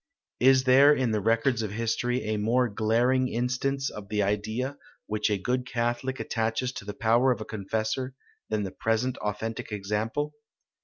Is there, in the records of history, a more glaring instance of the idea which a good Catholic attaches to the power of a confessor, than the present authentic example?